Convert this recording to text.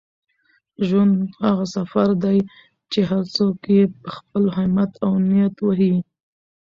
ژوند هغه سفر دی چي هر څوک یې په خپل همت او نیت وهي.